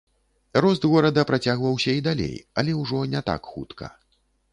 Рост горада працягваўся і далей, але ўжо не так хутка.